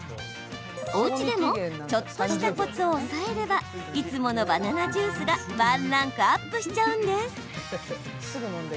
おうちでもちょっとしたコツを押さえればいつものバナナジュースがワンランクアップしちゃうんです。